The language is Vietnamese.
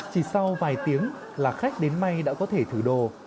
chỉ sau vài tiếng là khách đến may đã có thể thủ đồ